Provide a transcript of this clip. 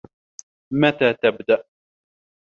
متى تبدأ؟